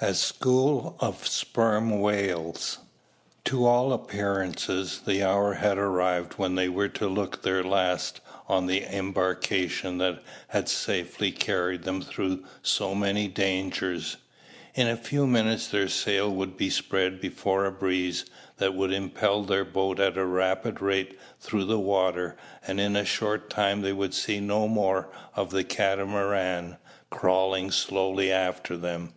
A "SCHOOL" OF SPERM WHALES. To all appearance the hour had arrived when they were to look their last on the embarkation that had safely carried them through so many dangers. In a few minutes their sail would be spread before a breeze, that would impel their boat at a rapid rate through the water; and in a short time they would see no more of the Catamaran, crawling slowly after them.